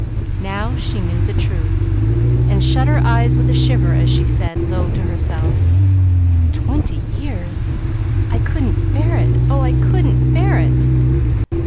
Now she knew the truth, and shut her eyes with a shiver as she said, low, to herself, "Twenty years! I couldn't bear it; oh, I couldn't bear it!"